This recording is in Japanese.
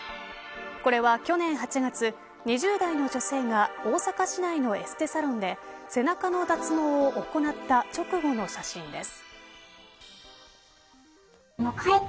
これは去年８月、２０代の女性が大阪市内のエステサロンで背中の脱毛を行った直後の写真です。